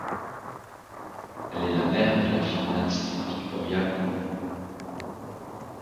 Elle est la mère de la gymnaste Viktoria Komova.